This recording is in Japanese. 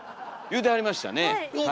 言うてはりました。